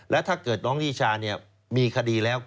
แล้วถ้าเกิดน้องนิชามีคดีแล้ว